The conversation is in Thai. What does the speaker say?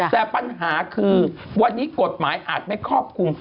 แต่ปัญหาคือวันนี้กฎหมายอาจไม่ครอบคลุม